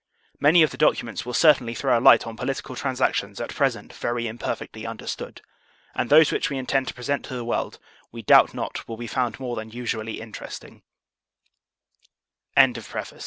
Many of the documents will certainly throw a light on political transactions at present very imperfectly understood; and those which we intend to present to the world, we doubt not, will be found more than us